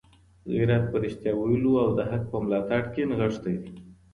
غیرت په رښتیا ویلو او د حق په ملاتړ کي نغښتی دی.